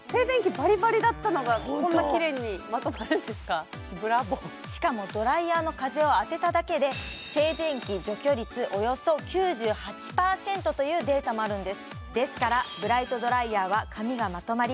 バリバリだったのがこんなキレイにまとまるんですかブラボーしかもドライヤーの風を当てただけで静電気除去率およそ９８％というデータもあるんですですからブライトドライヤーは髪がまとまり